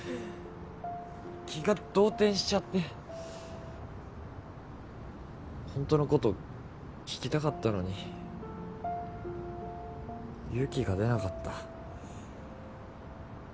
気が動転しちゃって本当のこと聞きたかったのに勇気が出なかった。